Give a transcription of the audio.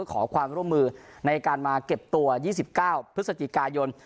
ขอความร่วมมือในการมาเก็บตัว๒๙พฤศจิกายน